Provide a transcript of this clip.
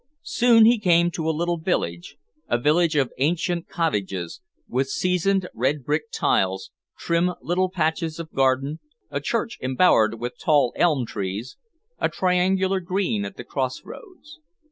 Soon he came to a little village, a village of ancient cottages, with seasoned, red brick tiles, trim little patches of garden, a church embowered with tall elm trees, a triangular green at the cross roads.